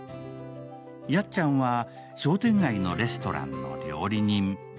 やっちゃんは、商店街のレストランの料理人。